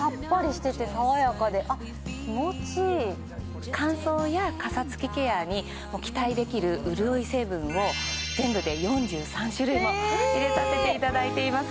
すごくあっ気持ちいい乾燥やカサつきケアに期待できる潤い成分を全部で４３種類も入れさせていただいています